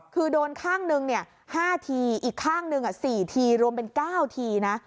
คือโดนข้างหนึ่ง๕ทีอีกข้างหนึ่ง๔ทีรวมเป็น๙ทีนะ